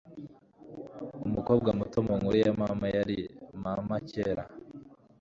umukobwa muto mu nkuru ya mama yari mama kera